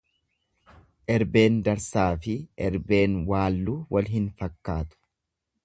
Erbeen darsaafi erbeen waalluu wal hin fakkaatu.